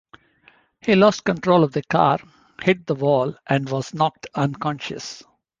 He lost control of the car, hit the wall and was knocked unconscious.